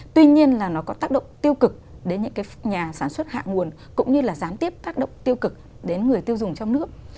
tuy nhiên là nó có tác động tiêu cực đến những cái nhà sản xuất hạ nguồn cũng như là gián tiếp tác động tiêu cực đến người tiêu dùng trong nước